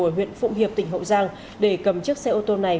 ở huyện phụng hiệp tỉnh hậu giang để cầm chiếc xe ô tô này